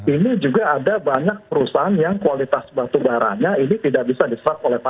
ini juga ada banyak perusahaan yang kualitas batu baranya ini tidak bisa diserap oleh pasar